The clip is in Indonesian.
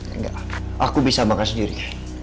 enggak aku bisa makan sendiri